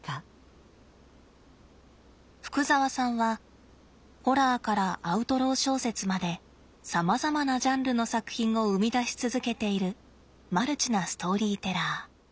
福澤さんはホラーからアウトロー小説までさまざまなジャンルの作品を生み出し続けているマルチなストーリーテラー。